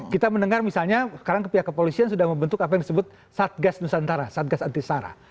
kita mendengar misalnya sekarang pihak kepolisian sudah membentuk apa yang disebut satgas nusantara satgas antisara